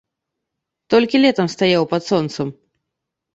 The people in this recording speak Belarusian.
Толькі летам стаяў пад сонцам.